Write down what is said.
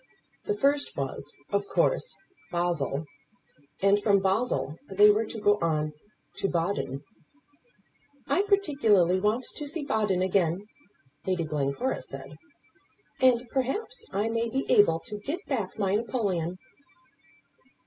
The first was, of course, Basle, and from Basle they were to go on to Baden. "I particularly want to see Baden again," Lady Glencora said; "and perhaps I may be able to get back my napoleon."